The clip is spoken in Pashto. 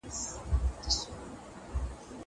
زه کالي نه وچوم.